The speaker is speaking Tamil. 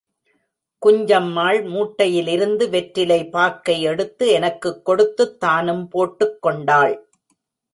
குஞ்சம்மாள் மூட்டையிலிருந்து வெற்றிலை பாக்கை எடுத்து எனக்குக் கொடுத்துத் தானும் போட்டுக் கொண்டாள்.